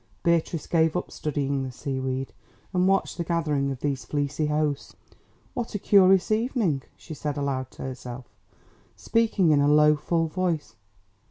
Beatrice gave up studying the seaweed and watched the gathering of these fleecy hosts. "What a curious evening," she said aloud to herself, speaking in a low full voice.